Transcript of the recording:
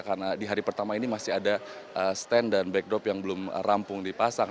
karena di hari pertama ini masih ada stand dan backdrop yang belum rampung dipasang